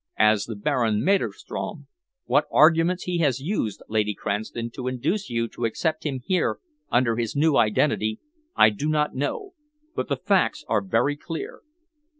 "As the Baron Maderstrom! What arguments he has used, Lady Cranston, to induce you to accept him here under his new identity, I do not know, but the facts are very clear."